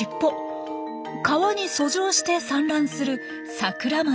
川に遡上して産卵するサクラマスです。